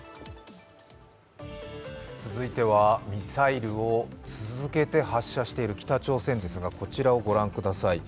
続いてはミサイルを続けて発射している北朝鮮ですがこちらをご覧ください。